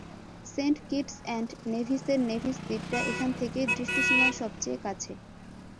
Saint Kitts and নেভিসের Nevis দ্বীপটা এখান থেকেই দৃষ্টিসীমার সবচেয়ে কাছে।